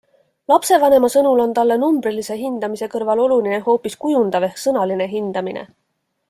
Lapsevanema sõnul on talle numbrilise hindamise kõrval oluline hoopis kujundav ehk sõnaline hindamine.